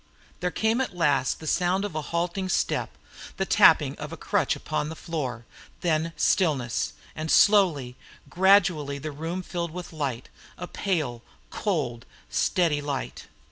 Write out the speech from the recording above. There came at last the sound of a halting step, the tapping of a crutch upon the floor, then stillness, and slowly, gradually the room filled with light a pale, cold, steady light.